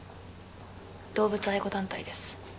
動物愛護団体です